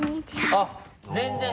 あっ！